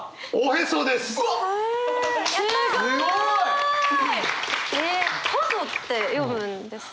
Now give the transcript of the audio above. すごい！えっ臍って読むんですね。